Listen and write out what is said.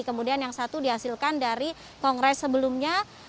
kemudian yang satu dihasilkan dari kongres sebelumnya